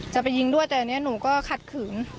จะไปยิงด้วยแต่อันนี้หนูก็ขัดขืน